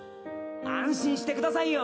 安心してくださいよ！